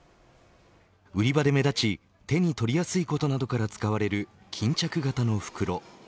売り場で目立ち手に取りやすいことなどから使われる巾着型の袋。